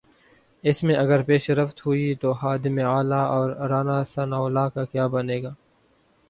اس میں اگر پیش رفت ہوئی تو خادم اعلی اور رانا ثناء اللہ کا کیا بنے گا؟